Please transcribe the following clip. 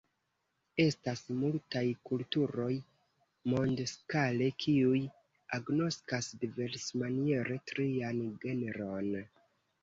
Estas multaj kulturoj mondskale, kiuj agnoskas diversmaniere ‘trian genron’.